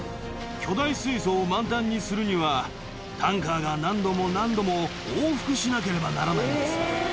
巨大水槽を満タンにするには、タンカーが何度も何度も往復しなければならないんです。